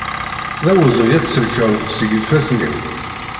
D awezɣi ad tselkeḍ seg ifassen-iw.